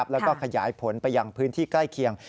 แล้วก็ขยายผลไปยังพื้นที่ใกล้เคียง